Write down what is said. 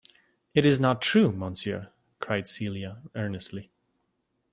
"It is not true, monsieur," cried Celia earnestly.